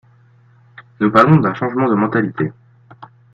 Nous parlons d’un changement de mentalités.